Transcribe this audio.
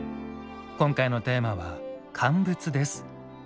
今回のテーマは「乾物」です。